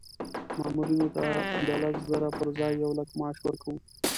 مامورینو ته د لس زره پر ځای یو لک معاش ورکوو.